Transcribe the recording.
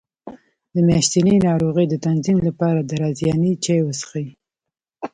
د میاشتنۍ ناروغۍ د تنظیم لپاره د رازیانې چای وڅښئ